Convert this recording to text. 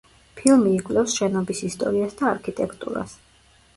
ფილმი იკვლევს შენობის ისტორიას და არქიტექტურას.